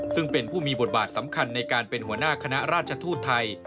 ซึ่งเป็นผู้มีบทบาทสำคัญในการเป็นหัวหน้าคณะราชทูตไทย